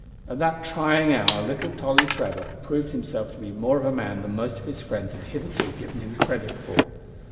At that trying hour little Tolly Trevor proved himself to be more of a man than most of his friends had hitherto given him credit for.